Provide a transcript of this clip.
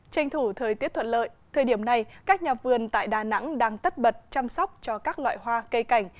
tranh thủ thời tiết thuận lợi thời điểm này các nhà vườn tại đà nẵng đang tất bật chăm sóc cho các loại hoa cây cảnh